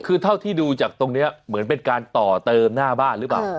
คือเท่าที่ดูจากตรงนี้เหมือนเป็นการต่อเติมหน้าบ้านหรือเปล่า